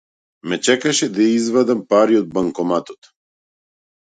Ме чекаше да извадам пари од банкоматот.